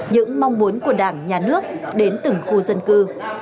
những mong muốn của đảng nhà nước đến từng khu dân cư